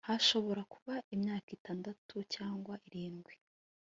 Hashobora kuba imyaka itandatu cyangwa irindwi